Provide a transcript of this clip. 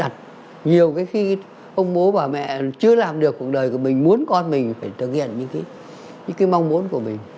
nhiều cái khi ông bố bà mẹ chưa làm được cuộc đời của mình muốn con mình phải thực hiện những cái mong muốn của mình